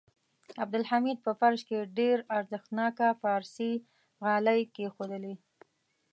عبدالحمید په فرش کې ډېر ارزښتناکه پارسي غالۍ کېښودلې.